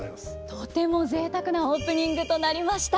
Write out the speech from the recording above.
とてもぜいたくなオープニングとなりました。